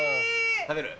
食べる？